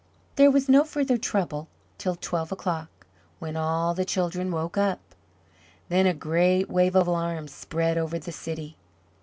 There was no further trouble till twelve o'clock, when all the children woke up. Then a great wave of alarm spread over the city.